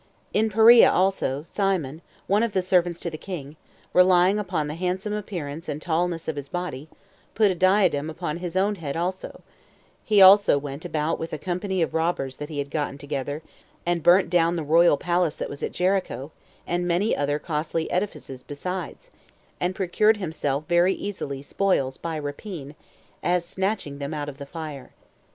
2. In Perea also, Simon, one of the servants to the king, relying upon the handsome appearance and tallness of his body, put a diadem upon his own head also; he also went about with a company of robbers that he had gotten together, and burnt down the royal palace that was at Jericho, and many other costly edifices besides, and procured himself very easily spoils by rapine, as snatching them out of the fire.